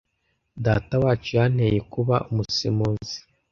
Datawacu yanteye kuba umusemuzi.